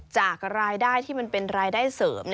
จากรายได้ที่มันเป็นรายได้เสริม